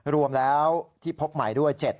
รวมแล้วที่พบใหม่ด้วย